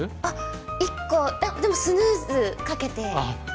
あっ１個でもスヌーズかけて。